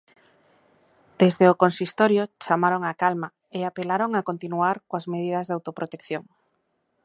Desde o consistorio chamaron á calma e apelaron a continuar coas medidas de autoprotección.